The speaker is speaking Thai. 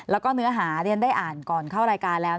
แล้วก็เนื้อหาเรียนได้อ่านก่อนเข้ารายการแล้ว